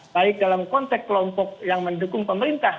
baik dalam konteks kelompok yang mendukung pemerintah